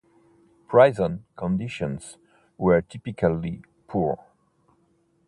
Prison conditions were typically poor.